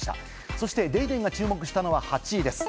そして『ＤａｙＤａｙ．』が注目したのは８位です。